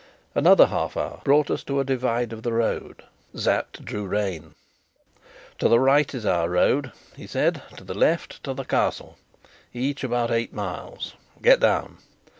Another half hour brought us to a divide of the road. Sapt drew rein. "To the right is our road," he said. "To the left, to the Castle. Each about eight miles. Get down."